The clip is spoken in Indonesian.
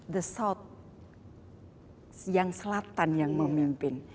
the south yang selatan yang memimpin